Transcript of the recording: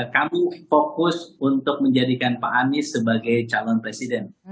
kami fokus untuk menjadikan pak anies sebagai calon presiden